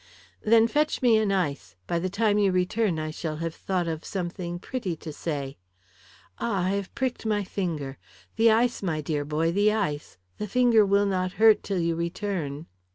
"Then fetch me an ice. By the time you return I shall have thought of something pretty to say. Ah, I have pricked my finger. The ice, my dear boy, the ice. The finger will not hurt till you return."